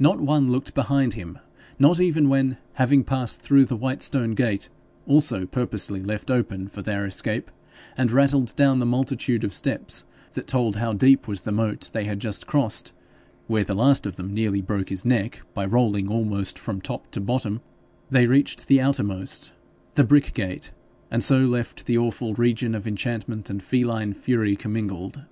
Not one looked behind him, not even when, having passed through the white stone gate, also purposely left open for their escape, and rattled down the multitude of steps that told how deep was the moat they had just crossed, where the last of them nearly broke his neck by rolling almost from top to bottom, they reached the outermost, the brick gate, and so left the awful region of enchantment and feline fury commingled.